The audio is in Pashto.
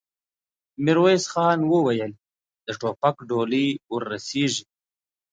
ميرويس خان وويل: د ټوپک ډولۍ ور رسېږي؟